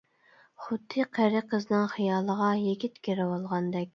خۇددى قېرى قىزنىڭ خىيالىغا يىگىت كىرىۋالغاندەك.